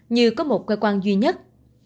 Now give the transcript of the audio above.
như có một cơ quan duy nhất